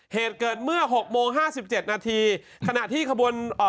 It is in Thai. เหตุเกิดเมื่อหกโมงห้าสิบเจ็ดนาทีขณะที่ขบวนเอ่อ